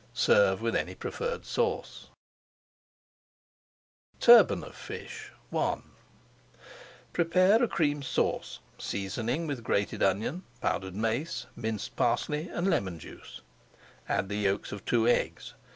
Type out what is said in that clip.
Serve with any preferred sauce. [Page 488] TURBAN OF FISH I Prepare a Cream Sauce, seasoning with grated onion, powdered mace, minced parsley, and lemon juice. Add the yolks of two eggs.